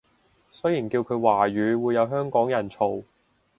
雖然叫佢華語會有香港人嘈